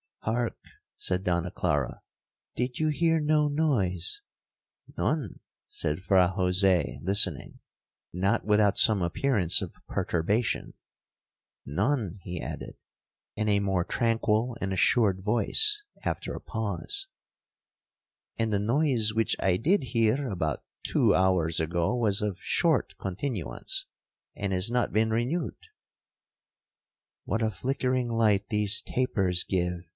—hark!' said Donna Clara, 'did you hear no noise?'—'None,' said Fra Jose listening, not without some appearance of perturbation—'None,' he added, in a more tranquil and assured voice, after a pause; 'and the noise which I did hear about two hours ago, was of short continuance, and has not been renewed.'—'What a flickering light these tapers give!'